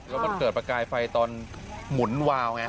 แล้วมันเกิดประกายไฟตอนหมุนวาวไง